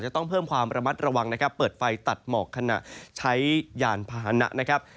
ต้องเพิ่มความประมัดระวังเปิดไฟตัดหมอกคณะใช้ยานพาณะ